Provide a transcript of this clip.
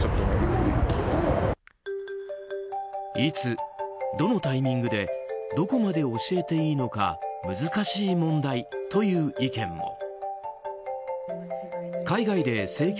いつ、どのタイミングでどこまで教えていいのか難しい問題という意見も。